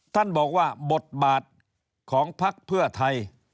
ท่านบอกว่าบทบาทของพักเพื่อไทย